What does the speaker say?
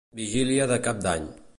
Vigília de Cap d'Any.